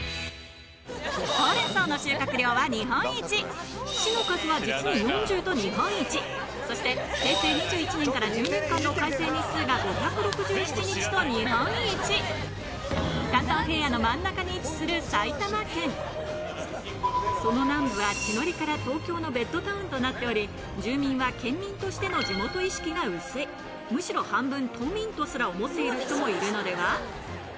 ほうれん草の収穫量は日本一市の数は実に４０と日本一そして平成２１年から１０年間の快晴日数が５６７日と日本一その南部は地の利から東京のベッドタウンとなっており住民は県民としての地元意識が薄いむしろ半分都民とすら思っている人もいるのでは？